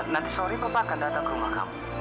nanti sorry papa akan datang ke rumah kamu